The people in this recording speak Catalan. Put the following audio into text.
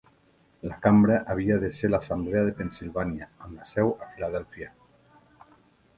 La cambra havia de ser l'assemblea de Pennsilvània amb la seu a Filadèlfia.